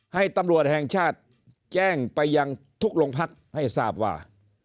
ให้ตำรวจแห่งชาติแจ้งไปยังทุกโรงพักให้ทราบว่า